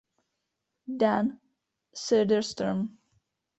Dan Söderström.